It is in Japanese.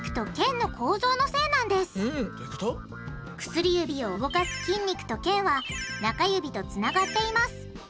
薬指を動かす筋肉と腱は中指とつながっています。